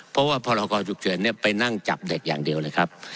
เพราะว่าพรกรฉุกเฉินไปนั่งจับเด็กอย่างเดียวเลยครับ